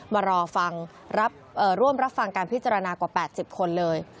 มารอฟังร่วมรับฟังการพิจารณากว่า๘๐คนเลย